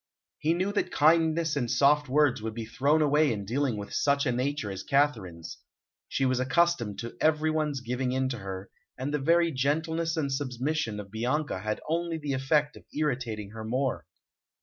He knew that kindness and soft words would be thrown away in dealing with such a nature as Katharine's; she was accustomed to everyone's giving in to her, and the very gentleness and submission of Bianca had only the effect of irritating her more.